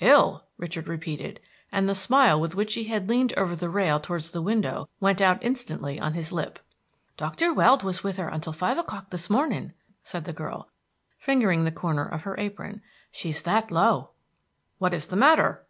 "Ill!" Richard repeated, and the smile with which he had leaned over the rail towards the window went out instantly on his lip. "Dr. Weld was up with her until five o'clock this morning," said the girl, fingering the corner of her apron. "She's that low." "What is the matter?"